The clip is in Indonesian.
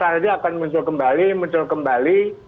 jadi akan muncul kembali muncul kembali